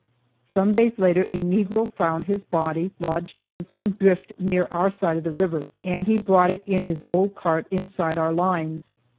Some days later a negro found his body, lodged against some drift near our side of the river, and he brought it in his old cart inside our lines.